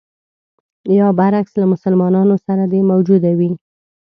یا برعکس له مسلمانانو سره دې موجوده وي.